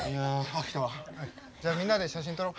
じゃあみんなで写真撮ろう。